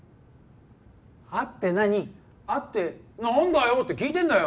「あって何あって何だよ！」って聞いてんだよ